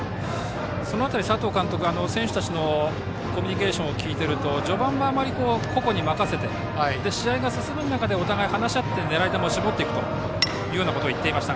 その辺り、佐藤監督選手たちのコミュニケーションを聞いていると序盤は個々に任せて試合が進む中で、お互い話し合って狙い球を絞っていくと言っていました。